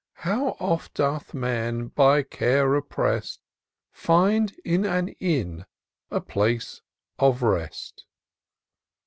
How oft doth man, by care oppress'd, Find in an inn a place of rest